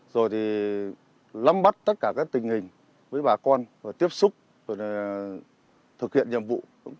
rồi thì lắm bắt tất cả các tình hình với bà con và tiếp xúc rồi thực hiện nhiệm vụ